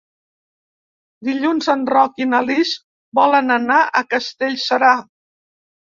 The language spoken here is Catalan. Dilluns en Roc i na Lis volen anar a Castellserà.